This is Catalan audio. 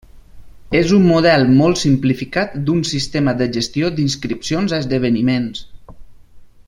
És un model molt simplificat d'un sistema de gestió d'inscripcions a esdeveniments.